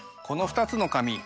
この２つの髪